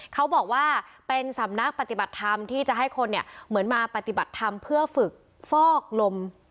เขาบอกว่าเป็นสำนักปฏิบัติธรรมที่จะให้คนเนี่ยเหมือนมาปฏิบัติธรรมเพื่อฝึกฟอกลม